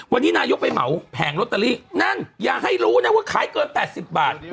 วันนี้นายกไปเหมาแผงลอตเตอรี่นั่นอย่าให้รู้นะว่าขายเกิน๘๐บาท